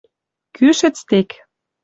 Кӱшӹц тек.